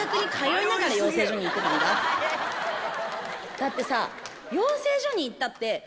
だってさ。